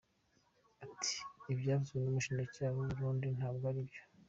Ati “Ibyavuzwe n’umushinjacyaha w’u Burundi ntabwo ari byo.